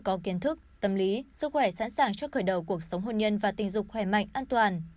có kiến thức tâm lý sức khỏe sẵn sàng cho khởi đầu cuộc sống hôn nhân và tình dục khỏe mạnh an toàn